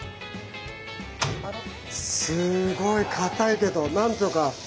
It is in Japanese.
すごいかたいけどなんとか。